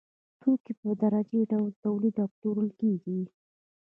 توکي په تدریجي ډول تولید او پلورل کېږي